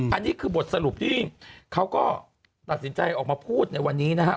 อันนี้คือบทสรุปที่เขาก็ตัดสินใจออกมาพูดในวันนี้นะฮะ